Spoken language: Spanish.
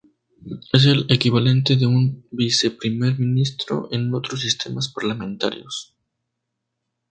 Es el equivalente de un viceprimer ministro en otros sistemas parlamentarios.